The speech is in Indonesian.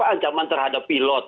ancaman terhadap pilot